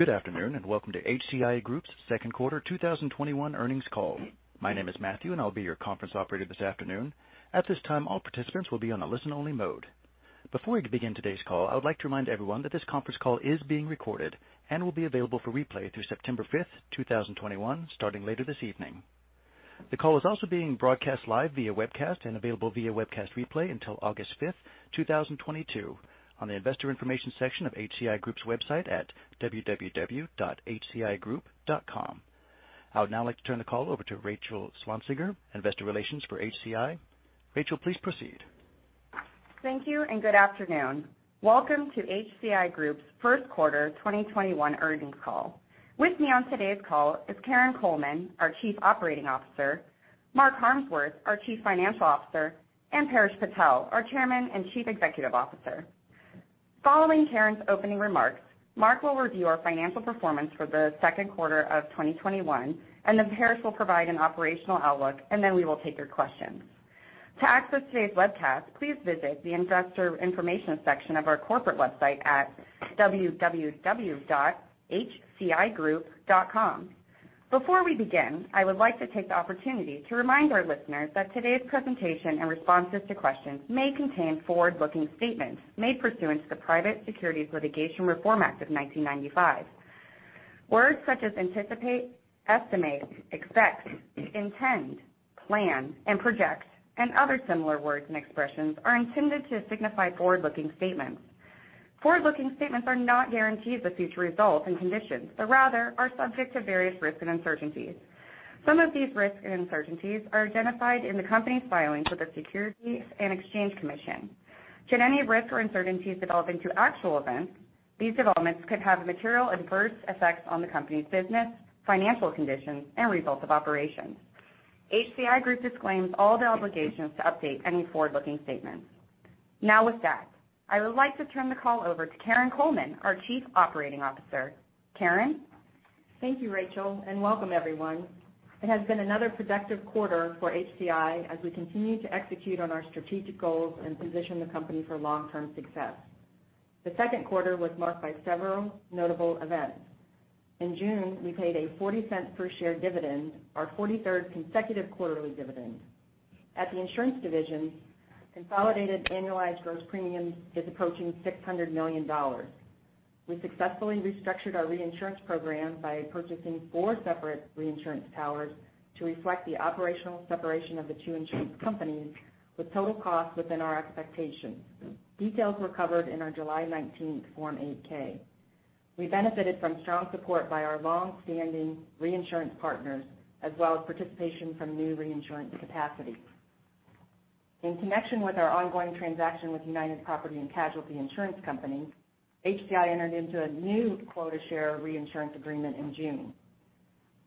Good afternoon. Welcome to HCI Group's second quarter 2021 earnings call. My name is Matthew, and I'll be your conference operator this afternoon. At this time, all participants will be on a listen-only mode. Before we begin today's call, I would like to remind everyone that this conference call is being recorded and will be available for replay through September 5th, 2021, starting later this evening. The call is also being broadcast live via webcast and available via webcast replay until August 5th, 2022 on the Investor Information section of HCI Group's website at www.hcigroup.com. I would now like to turn the call over to Rachel Swansiger, Investor Relations for HCI. Rachel, please proceed. Thank you. Good afternoon. Welcome to HCI Group's first quarter 2021 earnings call. With me on today's call is Karin Coleman, our Chief Operating Officer, Mark Harmsworth, our Chief Financial Officer, and Paresh Patel, our Chairman and Chief Executive Officer. Following Karin's opening remarks, Mark will review our financial performance for the second quarter of 2021. Then Paresh will provide an operational outlook. Then we will take your questions. To access today's webcast, please visit the Investor Information section of our corporate website at www.hcigroup.com. Before we begin, I would like to take the opportunity to remind our listeners that today's presentation and responses to questions may contain forward-looking statements made pursuant to the Private Securities Litigation Reform Act of 1995. Words such as anticipate, estimate, expect, intend, plan, and project, and other similar words and expressions are intended to signify forward-looking statements. Forward-looking statements are not guarantees of future results and conditions. Rather are subject to various risks and uncertainties. Some of these risks and uncertainties are identified in the company's filings with the Securities and Exchange Commission. Should any risks or uncertainties develop into actual events, these developments could have material adverse effects on the company's business, financial conditions, and results of operations. HCI Group disclaims all the obligations to update any forward-looking statements. With that, I would like to turn the call over to Karin Coleman, our Chief Operating Officer. Karin? Thank you, Rachel. Welcome everyone. It has been another productive quarter for HCI as we continue to execute on our strategic goals and position the company for long-term success. The second quarter was marked by several notable events. In June, we paid a $0.40 per share dividend, our 43rd consecutive quarterly dividend. At the insurance division, consolidated annualized gross premium is approaching $600 million. We successfully restructured our reinsurance program by purchasing four separate reinsurance towers to reflect the operational separation of the two insurance companies with total cost within our expectations. Details were covered in our July 19th Form 8-K. We benefited from strong support by our longstanding reinsurance partners, as well as participation from new reinsurance capacity. In connection with our ongoing transaction with United Property & Casualty Insurance Company, HCI entered into a new quota share reinsurance agreement in June.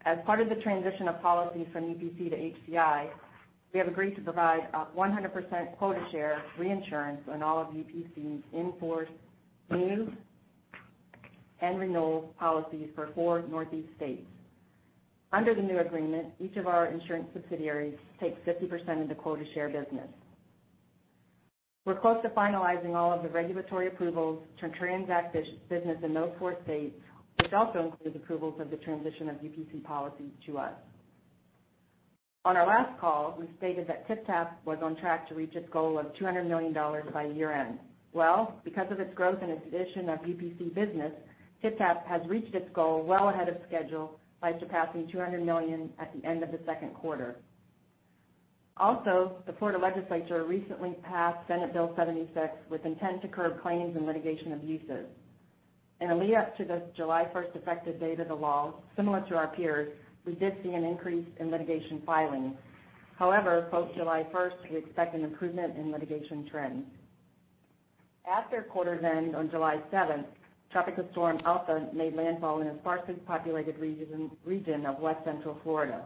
As part of the transition of policy from UPC to HCI, we have agreed to provide 100% quota share reinsurance on all of UPC's in-force, new, and renewal policies for four Northeast states. Under the new agreement, each of our insurance subsidiaries takes 50% of the quota share business. We're close to finalizing all of the regulatory approvals to transact business in those four states, which also includes approvals of the transition of UPC policies to us. On our last call, we stated that TypTap was on track to reach its goal of $200 million by year-end. Because of its growth and acquisition of UPC business, TypTap has reached its goal well ahead of schedule by surpassing $200 million at the end of the second quarter. The Florida legislature recently passed Senate Bill 76 with intent to curb claims and litigation abuses. In a lead-up to the July 1st effective date of the law, similar to our peers, we did see an increase in litigation filings. Post July 1st, we expect an improvement in litigation trends. After quarter then, on July 7th, Tropical Storm Elsa made landfall in a sparsely populated region of West Central Florida.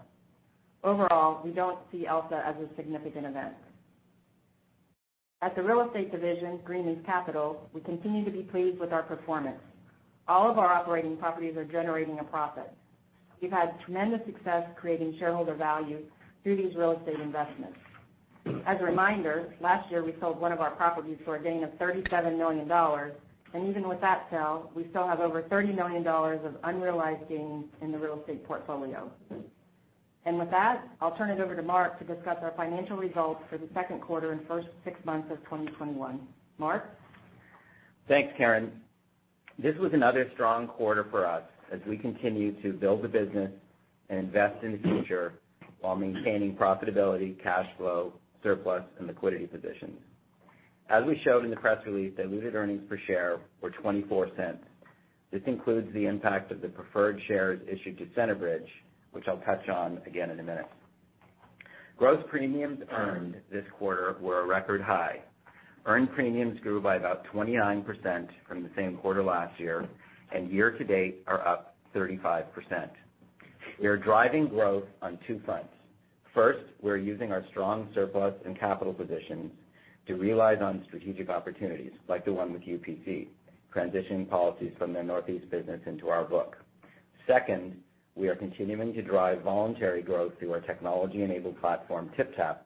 We don't see Elsa as a significant event. At the real estate division, Greenleaf Capital, we continue to be pleased with our performance. All of our operating properties are generating a profit. We've had tremendous success creating shareholder value through these real estate investments. As a reminder, last year, we sold one of our properties for a gain of $37 million. Even with that sale, we still have over $30 million of unrealized gains in the real estate portfolio. With that, I'll turn it over to Mark to discuss our financial results for the second quarter and first six months of 2021. Mark? Thanks, Karin. This was another strong quarter for us as we continue to build the business and invest in the future while maintaining profitability, cash flow, surplus, and liquidity positions. As we showed in the press release, diluted earnings per share were $0.24. This includes the impact of the preferred shares issued to Centerbridge, which I'll touch on again in a minute. Gross premiums earned this quarter were a record high. Earned premiums grew by about 29% from the same quarter last year, and year-to-date are up 35%. We are driving growth on two fronts. First, we're using our strong surplus and capital positions to realize on strategic opportunities, like the one with UPC, transitioning policies from their Northeast business into our book Second, we are continuing to drive voluntary growth through our technology-enabled platform, TypTap,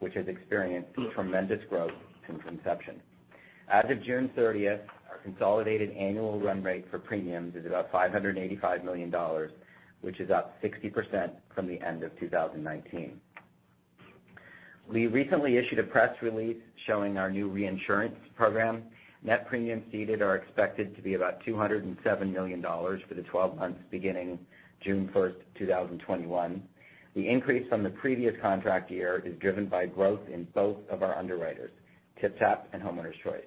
which has experienced tremendous growth since inception. As of June 30, our consolidated annual run rate for premiums is about $585 million, which is up 60% from the end of 2019. We recently issued a press release showing our new reinsurance program. Net premiums ceded are expected to be about $207 million for the 12 months beginning June 1, 2021. The increase from the previous contract year is driven by growth in both of our underwriters, TypTap and Homeowners Choice.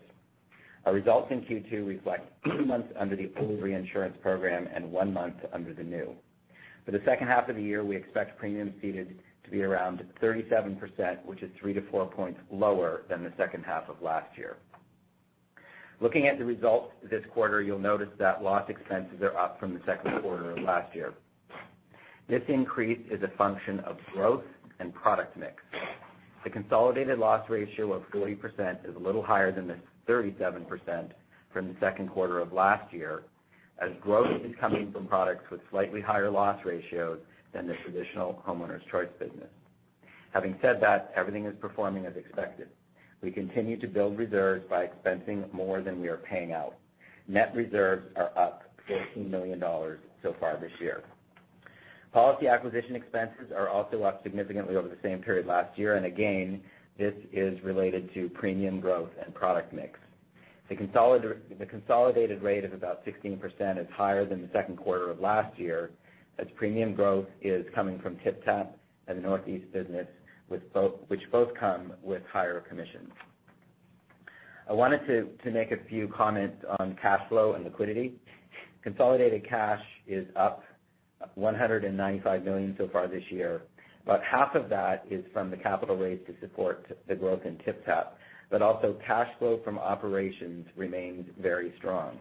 Our results in Q2 reflect two months under the old reinsurance program and one month under the new. For the second half of the year, we expect premiums ceded to be around 37%, which is three to four points lower than the second half of last year. Looking at the results this quarter, you'll notice that loss expenses are up from the second quarter of last year. This increase is a function of growth and product mix. The consolidated loss ratio of 40% is a little higher than the 37% from the second quarter of last year, as growth is coming from products with slightly higher loss ratios than the traditional Homeowners Choice business. Having said that, everything is performing as expected. We continue to build reserves by expensing more than we are paying out. Net reserves are up $14 million so far this year. Policy acquisition expenses are also up significantly over the same period last year, and again, this is related to premium growth and product mix. The consolidated rate of about 16% is higher than the second quarter of last year, as premium growth is coming from TypTap and the Northeast business, which both come with higher commissions. I wanted to make a few comments on cash flow and liquidity. Consolidated cash is up $195 million so far this year. About half of that is from the capital raise to support the growth in TypTap, but also cash flow from operations remains very strong.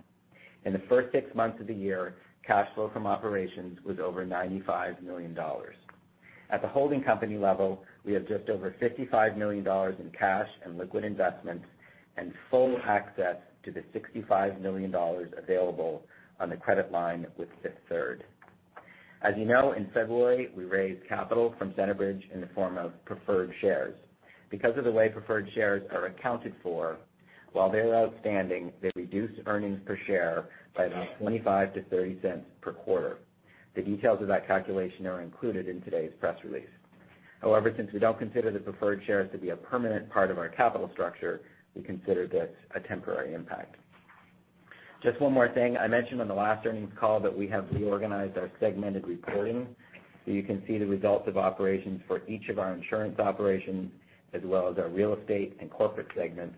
In the first six months of the year, cash flow from operations was over $95 million. At the holding company level, we have just over $55 million in cash and liquid investments and full access to the $65 million available on the credit line with Fifth Third. As you know, in February, we raised capital from Centerbridge in the form of preferred shares. Because of the way preferred shares are accounted for, while they're outstanding, they reduce earnings per share by about $0.25 to $0.30 per quarter. The details of that calculation are included in today's press release. However, since we don't consider the preferred shares to be a permanent part of our capital structure, we consider this a temporary impact. Just one more thing. I mentioned on the last earnings call that we have reorganized our segmented reporting, so you can see the results of operations for each of our insurance operations as well as our real estate and corporate segments.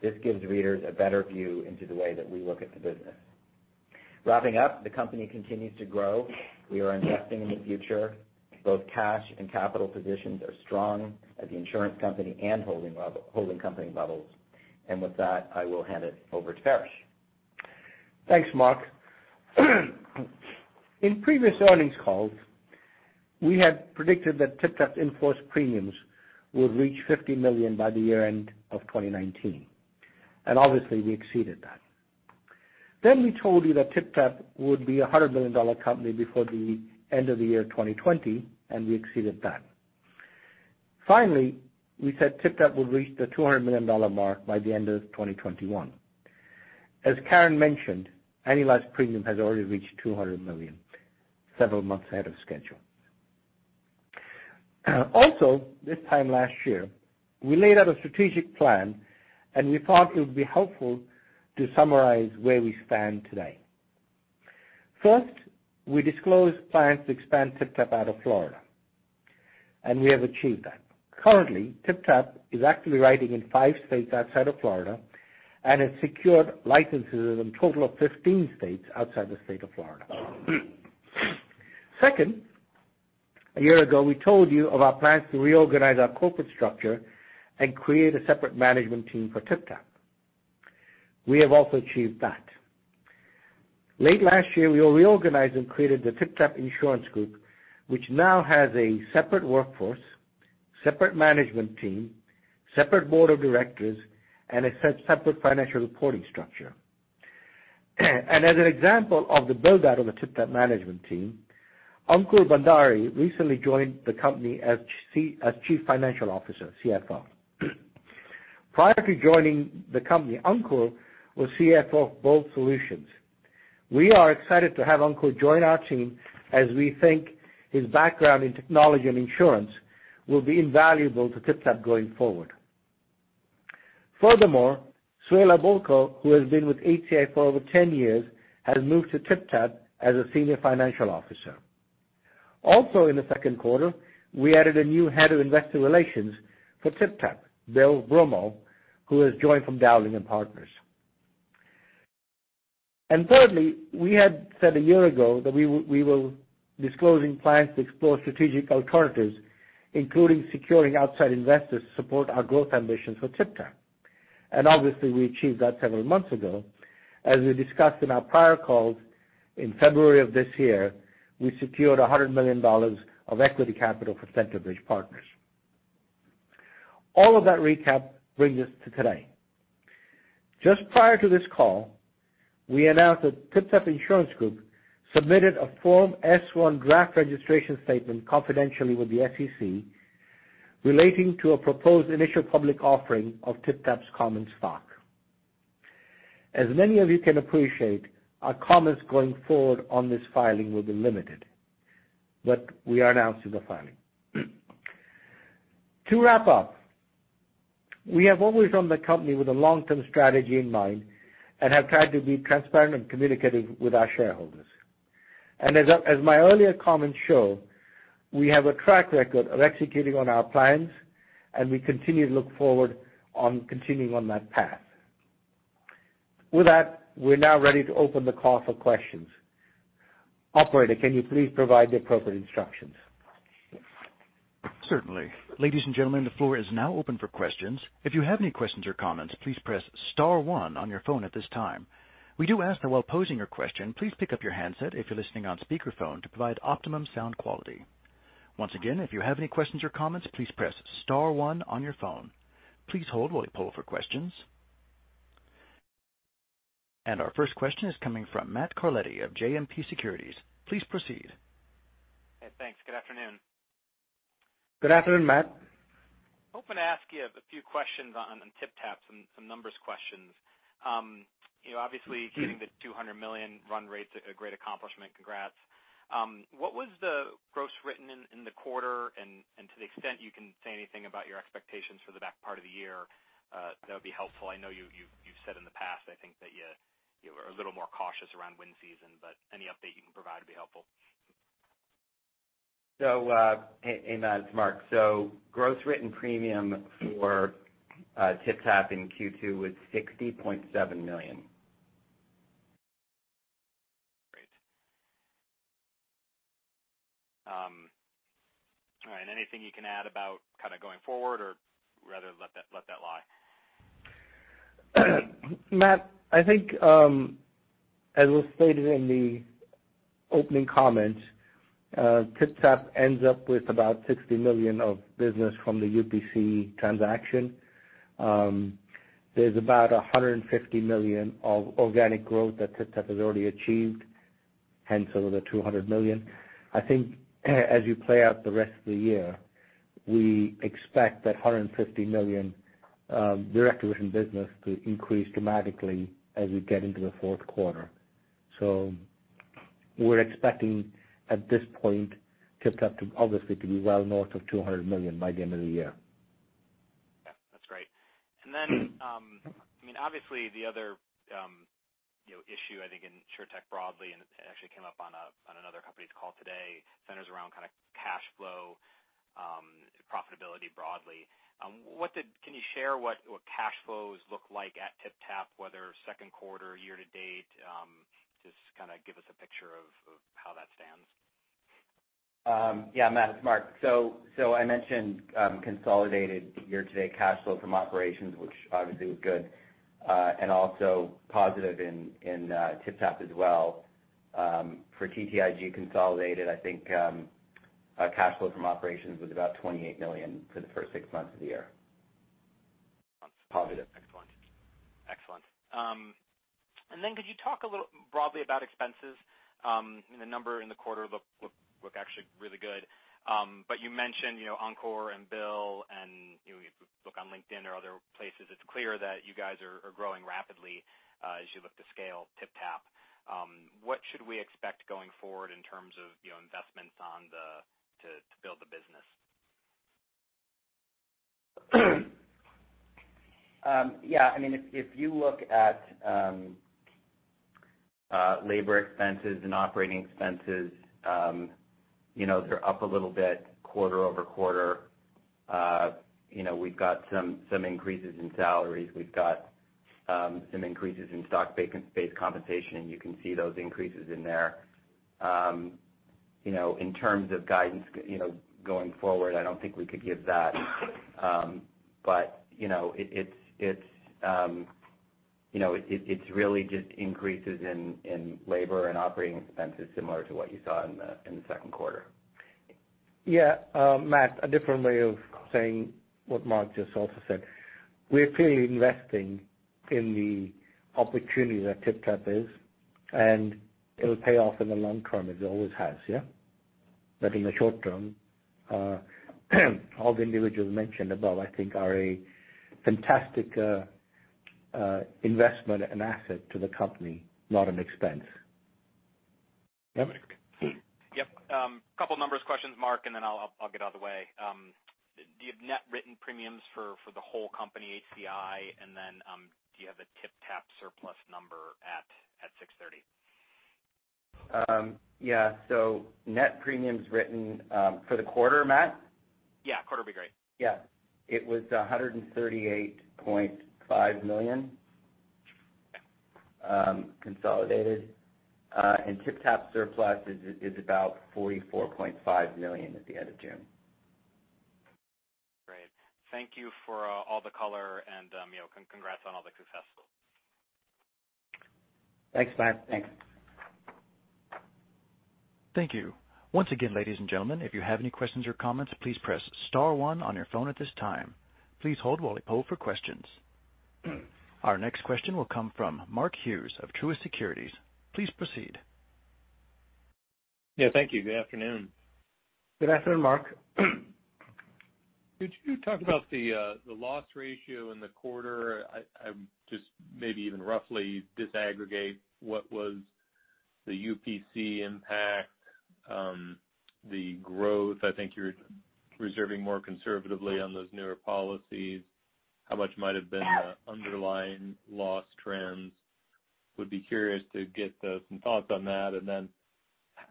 This gives readers a better view into the way that we look at the business. Wrapping up, the company continues to grow. We are investing in the future. Both cash and capital positions are strong at the insurance company and holding company levels. With that, I will hand it over to Paresh. Thanks, Mark. In previous earnings calls, we had predicted that TypTap enforced premiums would reach $50 million by the year-end of 2019, and obviously, we exceeded that. Then we told you that TypTap would be a $100 million company before the end of the year 2020, and we exceeded that. Finally, we said TypTap would reach the $200 million mark by the end of 2021. As Karin mentioned, annualized premium has already reached $200 million, several months ahead of schedule. Also, this time last year, we laid out a strategic plan, and we thought it would be helpful to summarize where we stand today. First, we disclosed plans to expand TypTap out of Florida, and we have achieved that. Currently, TypTap is actually writing in 5 states outside of Florida and has secured licenses in total of 15 states outside the state of Florida. Second, a year ago, we told you of our plans to reorganize our corporate structure and create a separate management team for TypTap. We have also achieved that. Late last year, we reorganized and created the TypTap Insurance Group, which now has a separate workforce, separate management team, separate board of directors, and a separate financial reporting structure. As an example of the build-out of a TypTap management team, Ankur Bhandari recently joined the company as Chief Financial Officer, CFO. Prior to joining the company, Ankur was CFO of BOLT Solutions. We are excited to have Ankur join our team as we think his background in technology and insurance will be invaluable to TypTap going forward. Furthermore, Suela Bulku, who has been with HCI for over 10 years, has moved to TypTap as a Senior Financial Officer. Also, in the second quarter, we added a new Head of Investor Relations for TypTap, Bill Broomall, who has joined from Dowling & Partners. Thirdly, we had said a year ago that we were disclosing plans to explore strategic alternatives, including securing outside investors to support our growth ambitions for TypTap. Obviously, we achieved that several months ago. As we discussed in our prior calls, in February of this year, we secured $100 million of equity capital from Centerbridge Partners. All of that recap brings us to today. Just prior to this call, we announced that TypTap Insurance Group submitted a Form S-1 draft registration statement confidentially with the SEC relating to a proposed initial public offering of TypTap's common stock. As many of you can appreciate, our comments going forward on this filing will be limited, but we are announcing the filing. To wrap up, we have always run the company with a long-term strategy in mind and have tried to be transparent and communicative with our shareholders. As my earlier comments show, we have a track record of executing on our plans, and we continue to look forward on continuing on that path. With that, we're now ready to open the call for questions. Operator, can you please provide the appropriate instructions? Certainly. Ladies and gentlemen, the floor is now open for questions. If you have any questions or comments, please press *1 on your phone at this time. We do ask that while posing your question, please pick up your handset if you're listening on speakerphone to provide optimum sound quality. Once again, if you have any questions or comments, please press *1 on your phone. Please hold while we pull for questions. Our first question is coming from Matt Carletti of JMP Securities. Please proceed. Hey, thanks. Good afternoon. Good afternoon, Matt. Hoping to ask you a few questions on TypTap, some numbers questions. Obviously getting the $200 million run rate's a great accomplishment. Congrats. What was the gross written in the quarter? To the extent you can say anything about your expectations for the back part of the year that would be helpful. I know you've said in the past, I think that you were a little more cautious around win season, any update you can provide would be helpful. Hey, Matt, it's Mark. Gross written premium for TypTap in Q2 was $60.7 million. Great. All right, anything you can add about kind of going forward or rather let that lie? Matt, I think, as was stated in the opening comments, TypTap ends up with about $60 million of business from the UPC transaction. There's about $150 million of organic growth that TypTap has already achieved, hence over the $200 million. I think as you play out the rest of the year, we expect that $150 million direct written business to increase dramatically as we get into the fourth quarter. We're expecting, at this point, TypTap to obviously to be well north of $200 million by the end of the year. Yeah, that's great. Obviously the other issue I think in InsurTech broadly, and it actually came up on another company's call today, centers around kind of cash flow profitability broadly. Can you share what cash flows look like at TypTap, whether second quarter, year to date? Just kind of give us a picture of how that stands. Yeah, Matt, it's Mark. I mentioned consolidated year-to-date cash flow from operations, which obviously was good and also positive in TypTap as well. For TTIG consolidated, I think cash flow from operations was about $28 million for the first 6 months of the year. Positive. Excellent. Could you talk a little broadly about expenses? The number in the quarter looked actually really good. You mentioned Ankur and Bill and if you look on LinkedIn or other places, it's clear that you guys are growing rapidly as you look to scale TypTap. What should we expect going forward in terms of investments to build the business? Yeah, if you look at labor expenses and operating expenses, they're up a little bit quarter-over-quarter. We've got some increases in salaries. We've got some increases in stock-based compensation, you can see those increases in there. In terms of guidance going forward, I don't think we could give that. It's really just increases in labor and operating expenses similar to what you saw in the second quarter. Yeah. Matt, a different way of saying what Mark just also said. We're clearly investing in the opportunity that TypTap is, and it'll pay off in the long term, as it always has, yeah. In the short term, all the individuals mentioned above, I think, are a fantastic investment and asset to the company, not an expense. Yep. Couple numbers questions, Mark, and then I'll get out of the way. Do you have net written premiums for the whole company, HCI? Do you have a TypTap surplus number at 6/30? Yeah. Net premiums written for the quarter, Matt? Yeah, quarter would be great. Yeah. It was $138.5 million consolidated. TypTap surplus is about $44.5 million at the end of June. Great. Thank you for all the color and congrats on all the successes. Thanks, Matt. Thanks. Thank you. Once again, ladies and gentlemen, if you have any questions or comments, please press star one on your phone at this time. Please hold while we poll for questions. Our next question will come from Mark Hughes of Truist Securities. Please proceed. Yeah, thank you. Good afternoon. Good afternoon, Mark. Could you talk about the loss ratio in the quarter? Just maybe even roughly disaggregate what was the UPC impact, the growth. I think you're reserving more conservatively on those newer policies. How much might have been the underlying loss trends? Would be curious to get some thoughts on that, and then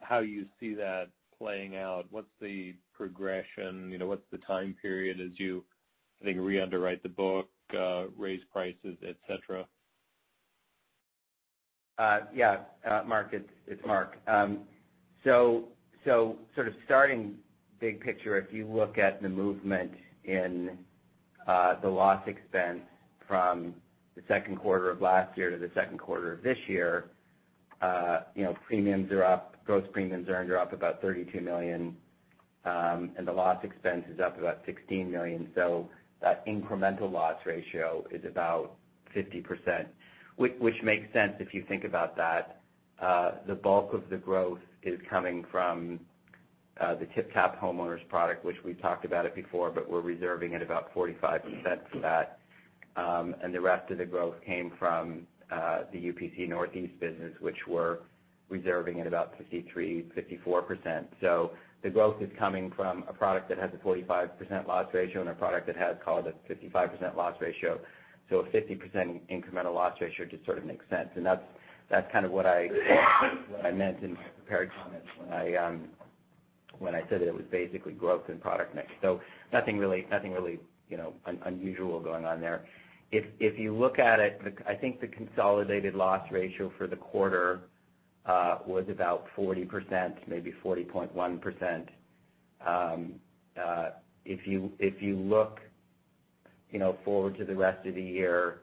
how you see that playing out. What's the progression? What's the time period as you, I think, re-underwrite the book, raise prices, et cetera? Yeah. Mark, it's Mark. Starting big picture, if you look at the movement in the loss expense from the second quarter of last year to the second quarter of this year, premiums are up, gross premiums earned are up about $32 million, and the loss expense is up about $16 million. That incremental loss ratio is about 50%, which makes sense if you think about that. The bulk of the growth is coming from the TypTap Homeowners product, which we've talked about it before, but we're reserving at about 45% for that. The rest of the growth came from the UPC Northeast business, which we're reserving at about 53%-54%. The growth is coming from a product that has a 45% loss ratio and a product that has, call it, a 55% loss ratio. a 50% incremental loss ratio just sort of makes sense, that's kind of what I meant in my prepared comments when I said that it was basically growth and product mix. Nothing really unusual going on there. If you look at it, I think the consolidated loss ratio for the quarter was about 40%, maybe 40.1%. If you look forward to the rest of the year,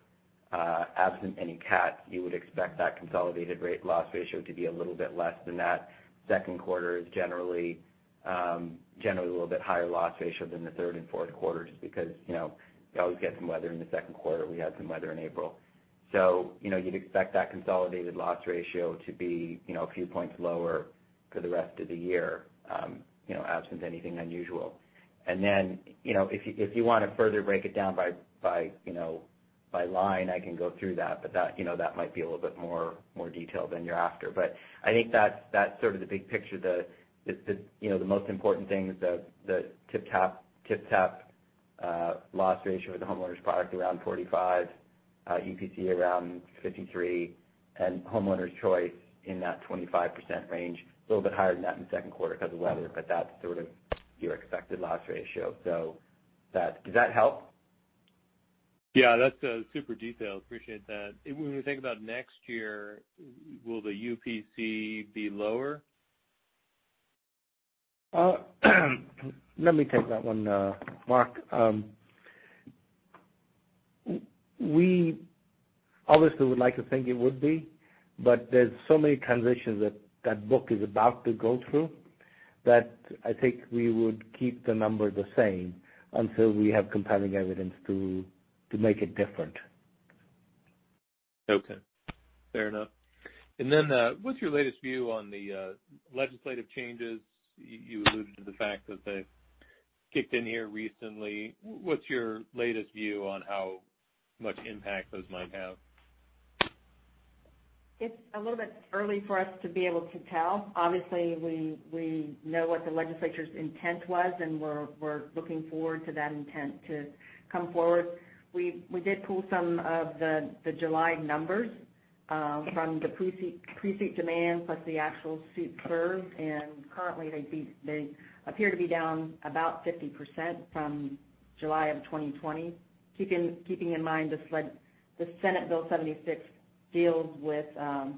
absent any cats, you would expect that consolidated rate loss ratio to be a little bit less than that. Second quarter is generally a little bit higher loss ratio than the third and fourth quarters because you always get some weather in the second quarter. We had some weather in April. You'd expect that consolidated loss ratio to be a few points lower for the rest of the year, absent anything unusual. If you want to further break it down by line, I can go through that might be a little bit more detailed than you're after. I think that's sort of the big picture. The most important thing is the TypTap loss ratio with the Homeowners product around 45, UPC around 53, and Homeowners Choice in that 25% range, a little bit higher than that in the second quarter because of weather, that's sort of your expected loss ratio. Does that help? That's super detailed. Appreciate that. When we think about next year, will the UPC be lower? Let me take that one, Mark. We obviously would like to think it would be, there's so many transitions that that book is about to go through that I think we would keep the number the same until we have compelling evidence to make it different. Okay, fair enough. What's your latest view on the legislative changes? You alluded to the fact that they've kicked in here recently. What's your latest view on how much impact those might have? It's a little bit early for us to be able to tell. Obviously, we know what the legislature's intent was, and we're looking forward to that intent to come forward. We did pull some of the July numbers from the pre-suit demands, plus the actual suit served, and currently they appear to be down about 50% from July of 2020. Keeping in mind, the Senate Bill 76 doesn't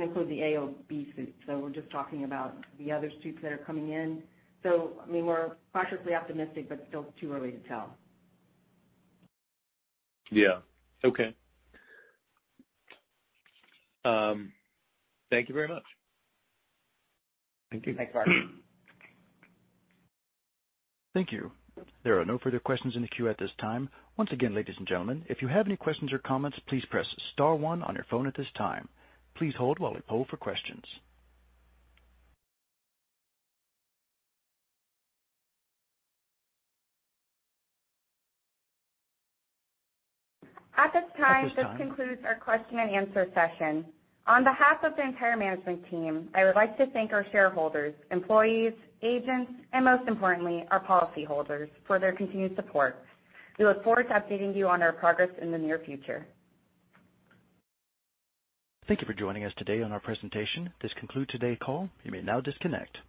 include the AOB suit, so we're just talking about the other suits that are coming in. We're cautiously optimistic, but still too early to tell. Yeah. Okay. Thank you very much. Thank you. Thanks, Mark. Thank you. There are no further questions in the queue at this time. Once again, ladies and gentlemen, if you have any questions or comments, please press star one on your phone at this time. Please hold while we poll for questions. At this time, this concludes our question-and-answer session. On behalf of the entire management team, I would like to thank our shareholders, employees, agents, and most importantly, our policyholders for their continued support. We look forward to updating you on our progress in the near future. Thank you for joining us today on our presentation. This concludes today's call. You may now disconnect.